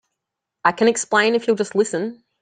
I can explain if you'll just listen.